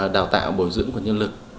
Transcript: đào tạo bồi dưỡng nguồn nhân lực